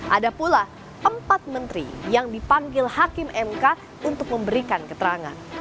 ada pula empat menteri yang dipanggil hakim mk untuk memberikan keterangan